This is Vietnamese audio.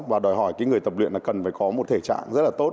và đòi hỏi cái người tập luyện là cần phải có một thể trạng rất là tốt